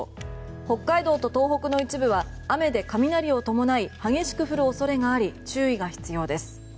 北海道と東北の一部は雨で雷を伴い激しく降る恐れがあり注意が必要です。